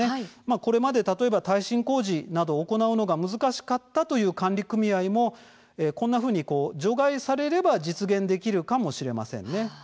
これまで耐震工事など行うのが難しかったという管理組合も除外されれば実現できるかもしれません。